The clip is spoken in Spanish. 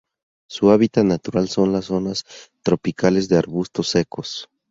Su hábitat natural son las zonas tropicales de arbustos secos.